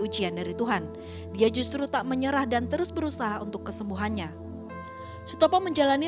ujian dari tuhan dia justru tak menyerah dan terus berusaha untuk kesembuhannya sutopo menjalani